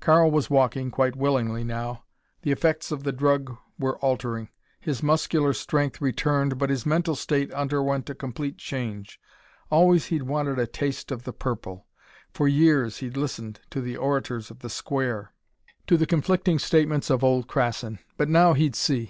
Karl was walking, quite willingly now. The effects of the drug were altering. His muscular strength returned but his mental state underwent a complete change. Always he'd wanted a taste of the purple. For years he'd listened to the orators of the Square, to the conflicting statements of old Krassin. But now he'd see.